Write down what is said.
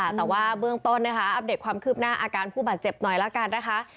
แต่ว่าเบื้องต้นนะคะอัปเดตความคืบหน้าอาการผู้บาดเจ็บหน่อยละกันนะคะ